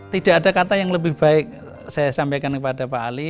tidak ada kata yang lebih baik saya sampaikan kepada pak ali